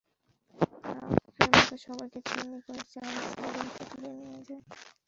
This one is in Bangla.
তারা অস্ত্রের মুখে সবাইকে জিম্মি করে চালক সাইদুলকে তুলে নিয়ে যায়।